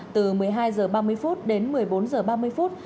từ một mươi hai h ba mươi đến một mươi bốn h ba mươi phút